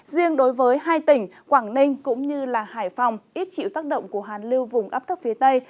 riêng đối với hai tỉnh quảng ninh cũng như hải phòng ít chịu tác động của hàn lưu vùng ấp thấp phía tây